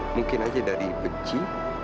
mungkin aja dari benci